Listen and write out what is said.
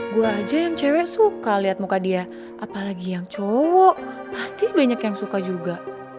gue aja yang cewek suka lihat muka dia apalagi yang cowok pasti banyak yang suka juga